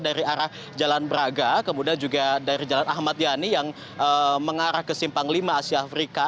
dari arah jalan braga kemudian juga dari jalan ahmad yani yang mengarah ke simpang lima asia afrika